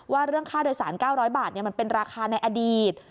ว่าเรื่องค่าโดยสาร๙๐๐บาทมันเป็นราคาในอดีต